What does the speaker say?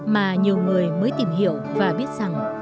mà nhiều người mới tìm hiểu và biết rằng